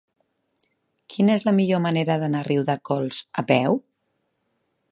Quina és la millor manera d'anar a Riudecols a peu?